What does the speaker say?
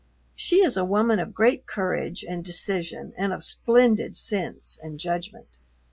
She is a woman of great courage and decision and of splendid sense and judgment.